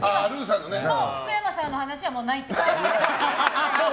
もう福山さんの話はないってこと？